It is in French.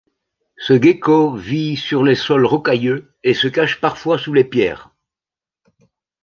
Ce gecko vit sur les sols rocailleux, et se cache parfois sous les pierres.